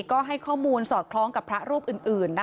ก็ให้ข้อมูลสอดคล้องกับพระรูปอื่น